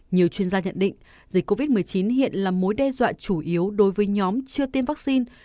nhiều chuyên gia nhận định dịch covid một mươi chín hiện là mối đe dọa chủ yếu đối với nhóm chưa tiêm vaccine